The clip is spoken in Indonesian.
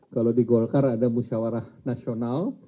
kalau di golkar ada musyawarah nasional